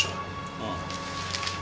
ああ。